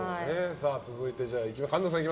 続いて神田さん。